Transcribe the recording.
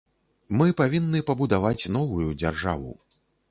Мы павінны пабудаваць новую дзяржаву.